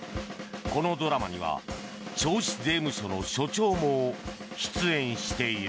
このドラマには銚子税務署の署長も出演している。